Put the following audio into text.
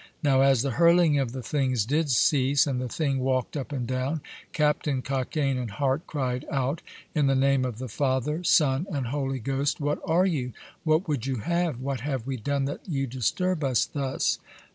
Now as the hurling of the things did cease, and the thing walkt up and down, Captain Cockaine and Hart cried out, In the name of the Father, Son, and Holy Ghost, what are you? What would you have? What have we done that you disturb us thus?